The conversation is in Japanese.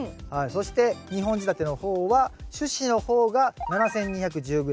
そして２本仕立ての方は主枝の方が７，２１０ｇ。